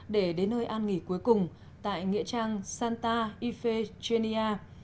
để đến nơi an nghỉ cuối cùng tại nghĩa trang santa ifegenia